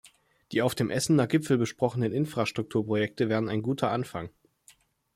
Die auf dem Essener Gipfel besprochenen Infrastrukturprojekte wären ein guter Anfang.